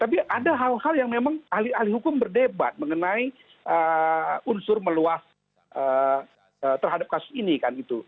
tapi ada hal hal yang memang ahli ahli hukum berdebat mengenai unsur meluas terhadap kasus ini kan gitu